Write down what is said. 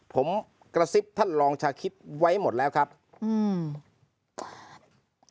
ผมกระซิบท่านรองชาคิดไว้หมดแล้วครับอืม